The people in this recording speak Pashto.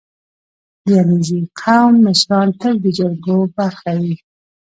• د علیزي قوم مشران تل د جرګو برخه وي.